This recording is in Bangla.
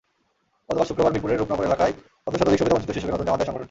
গতকাল শুক্রবার মিরপুরের রূপনগর এলাকায় অর্ধশতাধিক সুবিধাবঞ্চিত শিশুকে নতুন জামা দেয় সংগঠনটি।